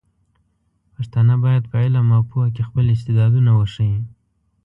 پښتانه بايد په علم او پوهه کې خپل استعدادونه وښيي.